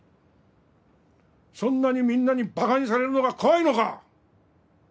そんなにみんなに馬鹿にされるのが怖いのか！